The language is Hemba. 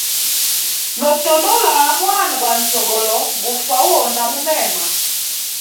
Notondola mwana gwa nzogolo gufa uhona mumema.